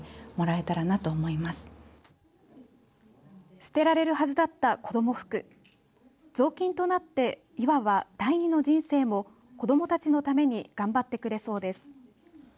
捨てられるはずだった子ども服ぞうきんとなっていわば第二の人生も子どもたちのために頑張ってくれそうです。